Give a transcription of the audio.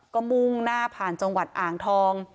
ก็มุ่งหน้าผ่านจังหวัดอ่างทอง